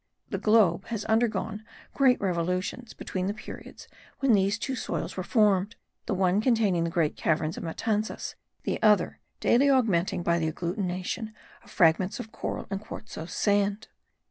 The globe has undergone great revolutions between the periods when these two soils were formed; the one containing the great caverns of Matanzas, the other daily augmenting by the agglutination of fragments of coral and quartzose sand.